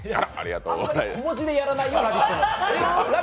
小文字でやらないよ、「ラヴィット！」は。